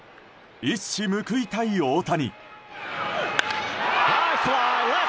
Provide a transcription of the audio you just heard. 一矢報いたい大谷。